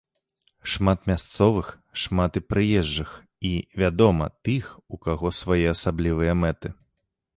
Шмат мясцовых, шмат і прыезджых і, вядома, тых, у каго свае асаблівыя мэты.